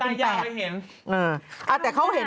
พอใกล้เข้าไปเป็น๘